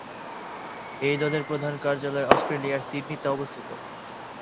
এই দলের প্রধান কার্যালয় অস্ট্রেলিয়ার সিডনিতে অবস্থিত।